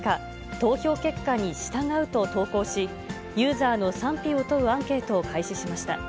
投票結果に従うと投稿し、ユーザーの賛否を問うアンケートを開始しました。